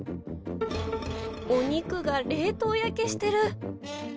お肉が冷凍焼けしてる。